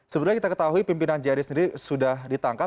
sebenarnya kita ketahui pimpinan jari sendiri sudah ditangkap